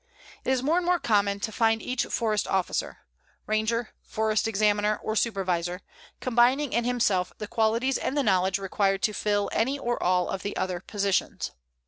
It is more and more common to find each Forest Officer Ranger, Forest Examiner, or Supervisor combining in himself the qualities and the knowledge required to fill any or all of the other positions.